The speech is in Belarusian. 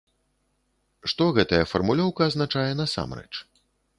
Што гэтая фармулёўка азначае насамрэч?